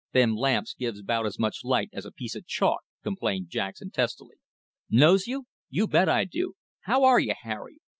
"Them lamps gives 'bout as much light as a piece of chalk," complained Jackson testily. "Knows you? You bet I do! How are you, Harry?